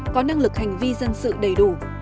có năng lực hành vi dân sự đầy đủ